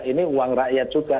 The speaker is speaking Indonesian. ini uang rakyat juga